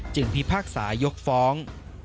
พิพากษายกฟ้อง